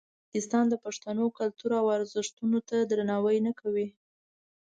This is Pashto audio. پاکستان د پښتنو کلتور او ارزښتونو ته درناوی نه کوي.